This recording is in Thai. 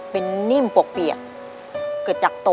เป็นนิ่มปกเปียก